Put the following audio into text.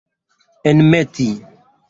enmeti